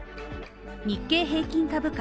日経平均株価